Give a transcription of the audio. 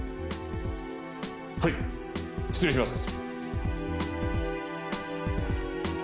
はい失礼します。